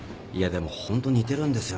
でもホント似てるんですよ。